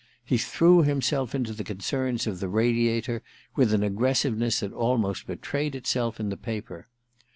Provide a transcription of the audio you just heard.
He threw himself into the concerns of the Radiator with an aggressive ness which almost betrayed itself in the paper.